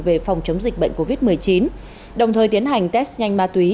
về phòng chống dịch bệnh covid một mươi chín đồng thời tiến hành test nhanh ma túy